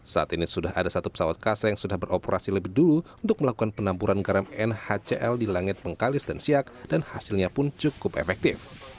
saat ini sudah ada satu pesawat kasa yang sudah beroperasi lebih dulu untuk melakukan penampuran garam nhcl di langit mengkalis dan siak dan hasilnya pun cukup efektif